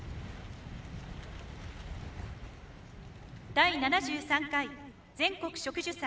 第７３回全国植樹祭